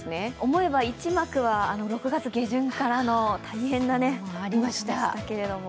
思えば１幕は、６月下旬からの大変なねありましたけど。